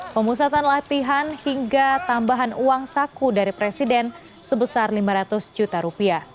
pemusatan latihan hingga tambahan uang saku dari presiden sebesar lima ratus juta rupiah